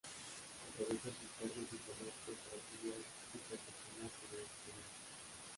Aprovecha sus cargos diplomáticos para estudiar y perfeccionarse en el exterior.